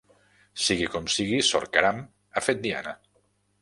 Sigui com sigui, sor Caram ha fet diana.